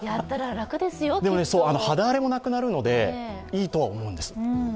肌荒れもなくなるのでいいなとは思います。